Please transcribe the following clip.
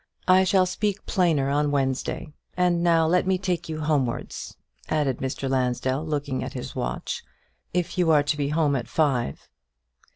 I shall speak plainer on Wednesday. And now let me take you homewards," added Mr. Lansdell, looking at his watch, "if you are to be at home at five."